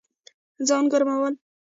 ځان ګرمول